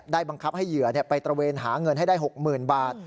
บังคับให้เหยื่อไปตระเวนหาเงินให้ได้๖๐๐๐บาท